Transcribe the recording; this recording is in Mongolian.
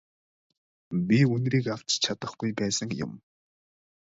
Би үнэрийг авч чадахгүй байсан юм.